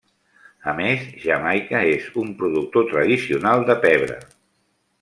A més, Jamaica és un productor tradicional de pebre.